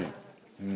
うん。